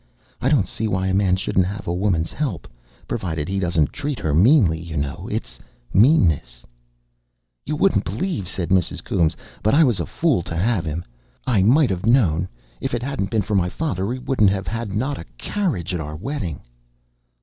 "I don't see why a man shouldn't have a woman's help, provided he doesn't treat her meanly, you know. It's meanness " "You wouldn't believe," said Mrs. Coombes. "But I was a fool to 'ave 'im. I might 'ave known. If it 'adn't been for my father, we shouldn't 'ave 'ad not a carriage to our wedding."